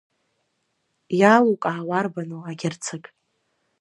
Иалукаауа арбану, агерцог?